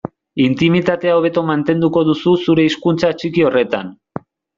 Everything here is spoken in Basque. Intimitatea hobeto mantenduko duzu zure hizkuntza txiki horretan.